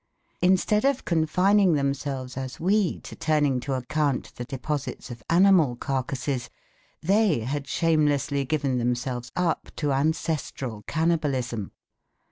Instead of confining themselves as we to turning to account the deposits of animal carcasses, they had shamelessly given themselves up to ancestral cannibalism.